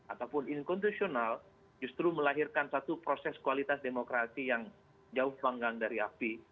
ataupun inkonstitusional justru melahirkan satu proses kualitas demokrasi yang jauh panggang dari api